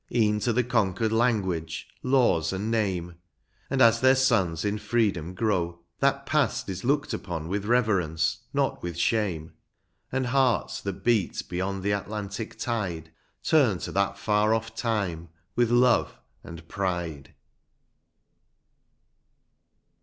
E'en to the conquered language, laws, and name ; And as their sons in freedom grow, that past Is looked upon with reverence, not with shame. And hearts that beat beyond the Atlantic tide. Turn to that far off time with love and pride.